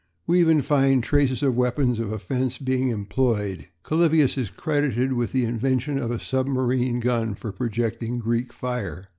We even find traces of weapons of offence being employed. Calluvius is credited with the invention of a submarine gun for projecting Greek fire.